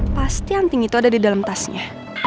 pasti anting itu ada di dalam tasnya